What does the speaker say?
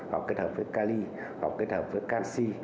hoặc kết hợp với kali hoặc kết hợp với canxi